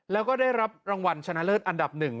เราก็ได้รับรางวัลชนะเลิศอันดับหนึ่ง